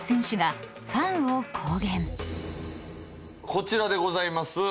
こちらでございます。